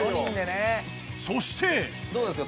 そしてどうなんですか？